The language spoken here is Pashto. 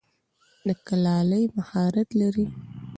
د کلالۍ مهارت لری؟